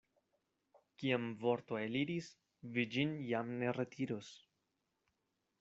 Kiam vorto eliris, vi ĝin jam ne retiros.